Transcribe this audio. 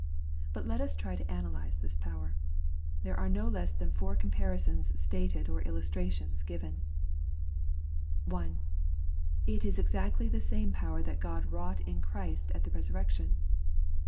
But let us try to analyse this power. There are no less than four comparisons stated or illustrations given, (i) It is exactly the same power that God wrought in Christ at the Resurrection.